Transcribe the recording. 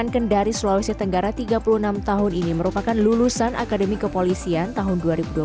dan kendari sulawesi tenggara tiga puluh enam tahun ini merupakan lulusan akademi kepolisian tahun dua ribu dua belas